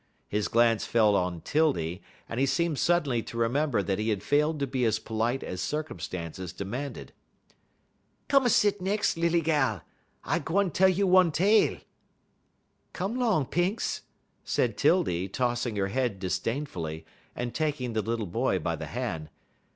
His glance fell on 'Tildy, and he seemed suddenly to remember that he had failed to be as polite as circumstances demanded. "Come a set nex' em, lilly gal. I gwan tell you one tale." "Come 'long, Pinx," said 'Tildy, tossing her head disdainfully, and taking the little boy by the hand.